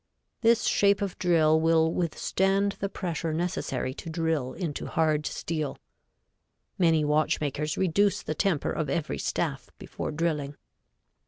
This shape of drill will withstand the pressure necessary to drill into hard steel. Many watchmakers reduce the temper of every staff before drilling.